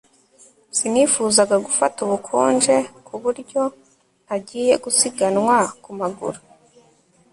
Sinifuzaga gufata ubukonje ku buryo ntagiye gusiganwa ku maguru